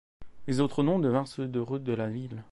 Les autres noms devinrent ceux de rues de la ville.